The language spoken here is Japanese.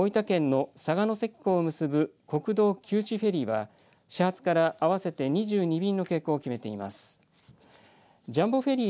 愛媛県伊方町の三崎港と大分県の佐賀関港を結ぶ国道九四フェリーは始発から合わせて２２便の欠航を決めています。